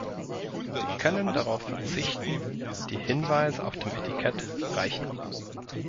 Wir können darauf verzichten, die Hinweise auf dem Etikett reichen.